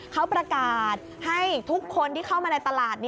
เขาประกาศให้ทุกคนที่เข้ามาในตลาด